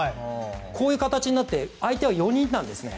こういう形になって相手は４人なんですね。